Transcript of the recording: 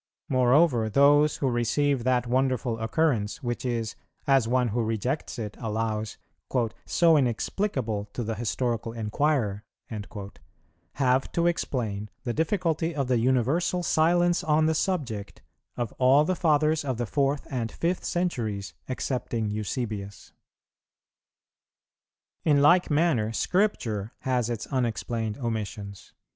Moreover, those who receive that wonderful occurrence, which is, as one who rejects it allows,[116:1] "so inexplicable to the historical inquirer," have to explain the difficulty of the universal silence on the subject of all the Fathers of the fourth and fifth centuries, excepting Eusebius. In like manner, Scripture has its unexplained omissions.